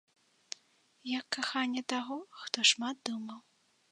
Як каханне таго, хто шмат думаў.